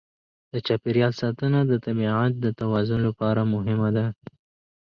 د چاپېریال ساتنه د طبیعت د توازن لپاره مهمه ده.